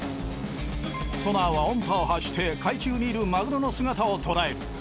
ソナーは音波を発して海中にいるマグロの姿をとらえる。